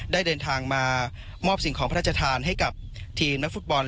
ได้เดินทางมามอบสิ่งของพระราชทานให้กับทีมนักฟุตบอล